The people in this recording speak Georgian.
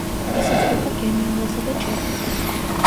ესაზღვრება გერმანიასა და ჩეხეთს.